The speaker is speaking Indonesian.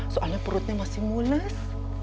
soalnya perutnya masih mulus